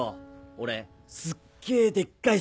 俺すっげえでっかい失敗して。